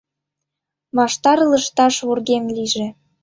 Ваштар лышташ вургем лийже.